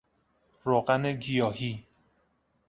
روغن گیاهی